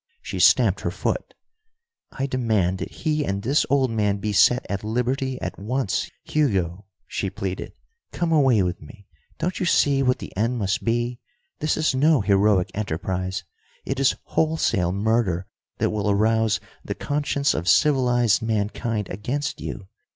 She stamped her foot. "I demand that he and this old man be set at liberty at once. Hugo," she pleaded, "come away with me. Don't you see what the end must be? This is no heroic enterprise, it is wholesale murder that will arouse the conscience of civilized mankind against you!